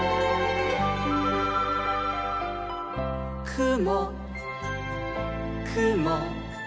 「くもくも」